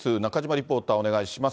リポーター、お願いします。